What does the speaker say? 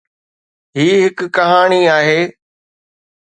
هي هڪ ڪهاڻي آهي.